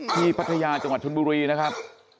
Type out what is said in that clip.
พัทยาจังหวัดชนบุรีนะครับ